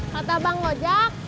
kata bang gojak